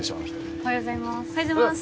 おはようございます。